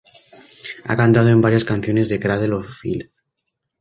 Ha cantado en varias canciones de Cradle of Filth.